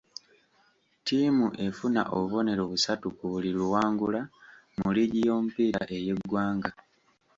Ttiimu efuna obubonero busatu ku buli luwangula mu liigi y'omupiira ey'eggwanga.